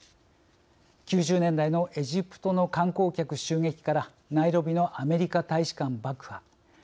９０年代のエジプトの観光客襲撃からナイロビのアメリカ大使館爆破。